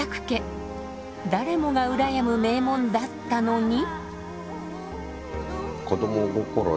誰もが羨む名門だったのに。